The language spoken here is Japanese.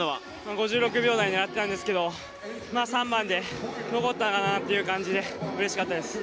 ５６秒台を狙っていたんですけど３番で、残ったかなという感じでうれしかったです。